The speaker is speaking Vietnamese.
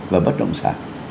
và bất động sản